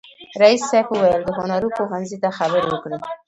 رئیس صاحب وویل د هنرونو پوهنځي ته خبرې وکړي.